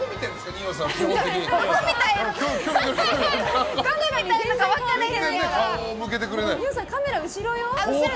二葉さん、カメラ後ろよ。